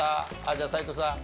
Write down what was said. じゃあ斎藤さん。